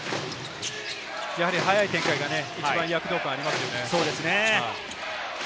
やはり早い展開が一番躍動感ありますよね。